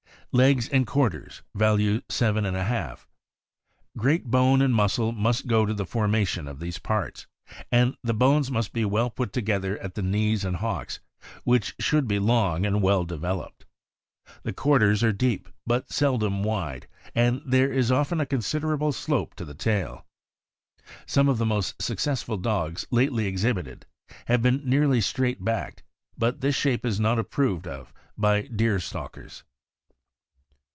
Legs and quarters (value 7|).— Great bone and muscle must go to the formation of these parts, and the bones must be well put together at the knees and hocks, which should be long and well developed. The quarters are deep, but seldom wide, and there is often a considerable slope to the tail. Some of the most successful dogs lately exhibited have been nearly straight backed, but this shape is not approved of by deer stalkers.